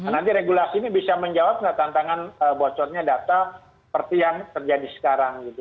nanti regulasi ini bisa menjawab nggak tantangan bocornya data seperti yang terjadi sekarang gitu